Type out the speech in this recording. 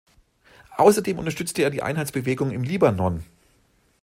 Außerdem unterstützte er die Einheitsbewegung im Libanon.